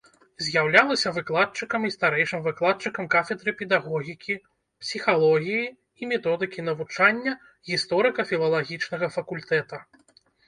З'яўлялася выкладчыкам і старэйшым выкладчыкам кафедры педагогікі, псіхалогіі і методыкі навучання гісторыка-філалагічнага факультэта.